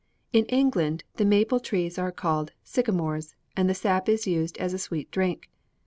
In England the maple trees are called 'sycamores,' and the sap is used as a sweet drink.